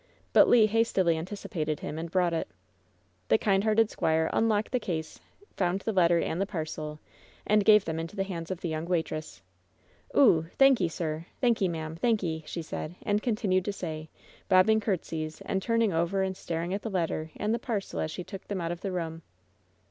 But Le hastily anticipated him and brought it. The kind hearted squire unlocked the case, found the letter and the parcel, and gave them into the hands of the young waitress. "Oo! Thanky', sir. Thank/, ma'am. Thanky',*' she said, and continued to say, bobbing courtesies, and turn ing over and staring at the letter and the parcel as she took them out of the room.